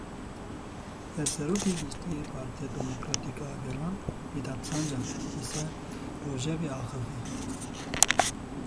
Hevserokê Giştî yê Partiya Demokratîk a Gelan Mîthat Sancar li ser rojevê axivî.